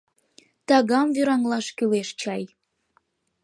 — Тагам вӱраҥлаш кӱлеш чай.